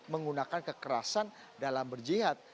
menggunakan kekerasan dalam berjihad